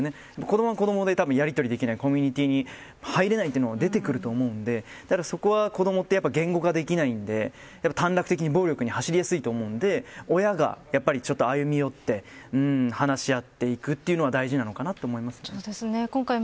子どもは子どもでやりとりできないコミュニティーに入れないというのが続くと思うのでそこは子どもは言語化できないので短絡的に暴力に走りやすいと思うので親が、やっぱり歩み寄って話し合っていくというのが大事かなと思います。